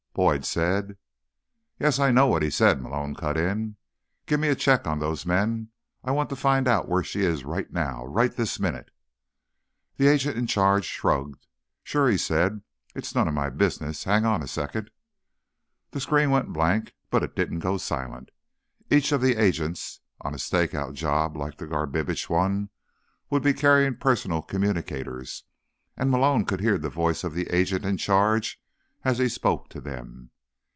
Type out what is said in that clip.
"Boyd said—" "Yes, I know what he said," Malone cut in. "Give me a check on those men. I want to find out where she is right now. Right this minute." The agent in charge shrugged. "Sure," he said. "It's none of my business. Hang on a second." The screen went blank, but it didn't go silent. Each of the agents, on a stakeout job like the Garbitsch one, would be carrying personal communicators, and Malone could hear the voice of the agent in charge as he spoke to them.